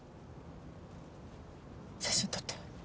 写真撮って。